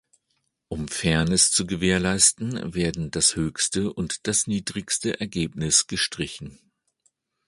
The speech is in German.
Um Fairness zu gewährleisten, werden das höchste und das niedrigste Ergebnis gestrichen.